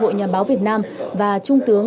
hội nhà báo việt nam và trung tướng